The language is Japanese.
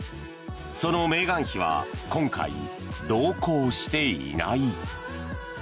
そのメーガン妃は今回、同行していない。